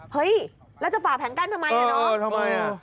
เฮ้ยแล้วจะฝ่าแผงกั้นทำไมอ่ะเนาะทำไมอ่ะ